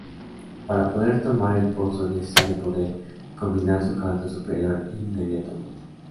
Para poder tomar el pozo es necesario poder combinar su carta superior inmediatamente.